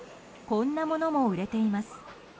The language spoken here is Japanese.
こんなものも売れています。